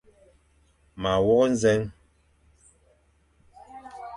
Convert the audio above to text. Ma wôkh nzèn.